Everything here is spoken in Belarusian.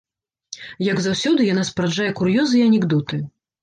Як заўсёды, яна спараджае кур'ёзы і анекдоты.